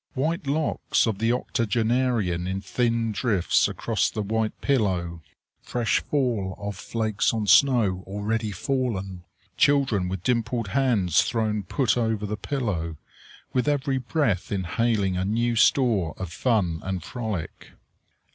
White locks of the octogenarian in thin drifts across the white pillow fresh fall of flakes on snow already fallen. Children with dimpled hands thrown put over the pillow, with every breath inhaling a new store of fun and frolic.